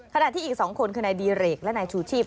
ขณะที่อีก๒คนคือนายดีเรกและนายชูชีพ